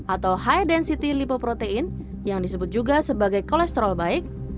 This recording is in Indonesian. atau high density lipoprotein yang disebut juga sebagai kolesterol baik